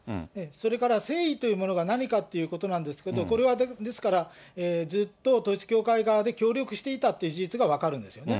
それから誠意というものが何かっていうことなんですけれども、これはですから、ずっと統一教会側で協力していたという事実が分かるんですよね。